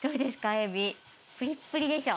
えびプリップリでしょ？